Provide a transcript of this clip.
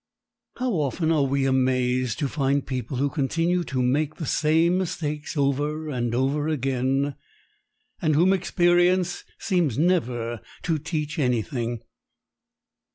How often are we amazed to find people who continue to make the same mistakes over and over again and whom experience seems never to teach anything.